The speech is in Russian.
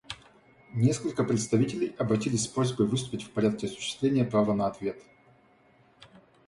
Несколько представителей обратились с просьбой выступить в порядке осуществления права на ответ.